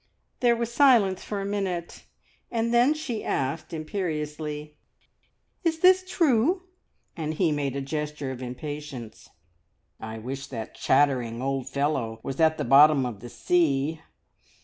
There was silence for a minute, then she asked imperiously, "Is this true?" and he made a gesture of impatience. "I wish that chattering old fellow was at the bottom of the sea.